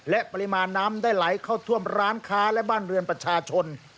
และปริมาณน้ำได้ไหลเข้าท่วมร้านค้าและบ้านเรือนประชาชน